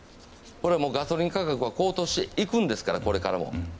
これはガソリン価格は高騰していくんですからこれからも。